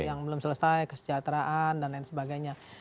yang belum selesai kesejahteraan dan lain sebagainya